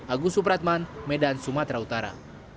agus supratman medan sumatera utara